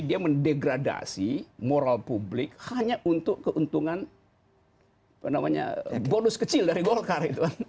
dia mendegradasi moral publik hanya untuk keuntungan bonus kecil dari golkar